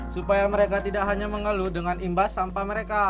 supaya mereka tidak hanya mengeluh dengan imbas sampah mereka